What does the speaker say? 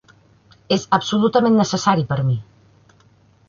És absolutament necessari per a mi.